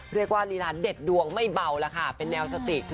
เรียกว่ารีลารีลาเด็ดดูงไม่เบาล่ะค่ะเป็นแนวสติก